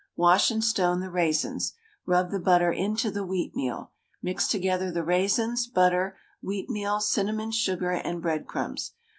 Wash and stone the raisins. Rub the butter into the wheatmeal. Mix together the raisins, butter, wheatmeal, cinnamon, sugar, and breadcrumbs.